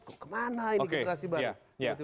kok kemana ini generasi baru